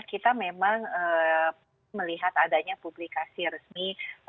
kita memang melihat adanya publikasi resmi